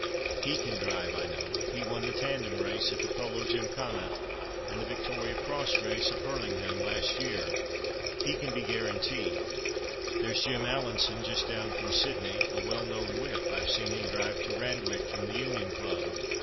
he can drive, I know—he won the tandem race at the Polo Gymkhana, and the Victoria Cross race at Hurlingham last year. He can be guaranteed. There's Jim Allanson just down from Sydney, a well known whip, I've seen him drive to Randwick from the Union Club.